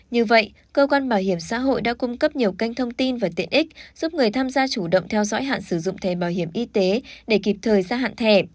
như vậy cơ quan bảo hiểm xã hội đã cung cấp nhiều kênh thông tin và tiện ích giúp người tham gia chủ động theo dõi hạn sử dụng thẻ bảo hiểm y tế để kịp thời gia hạn thẻ